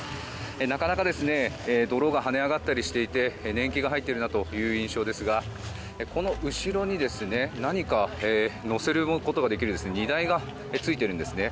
なかなか泥が跳ね上がったりしていて年季が入っているなという印象ですがこの後ろに何か載せることができる荷台がついているんですね。